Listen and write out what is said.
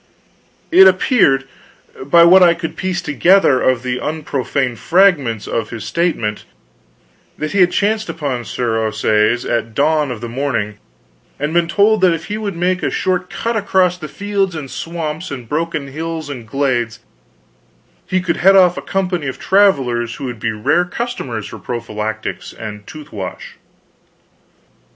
It appeared, by what I could piece together of the unprofane fragments of his statement, that he had chanced upon Sir Ossaise at dawn of the morning, and been told that if he would make a short cut across the fields and swamps and broken hills and glades, he could head off a company of travelers who would be rare customers for prophylactics and tooth wash.